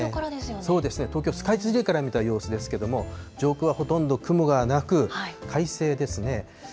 そうですね、東京スカイツリーから見た様子ですけれども、上空はほとんど雲がなく、快晴ですね。